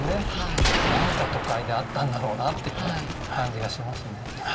何か都会であったんだろうなっていう感じがしますね。